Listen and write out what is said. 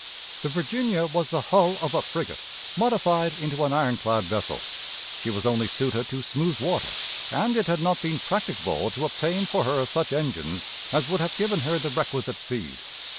The Virginia was the hull of a frigate, modified into an ironclad vessel. She was only suited to smooth water, and it had not been practicable to obtain for her such engines as would have given her the requisite speed.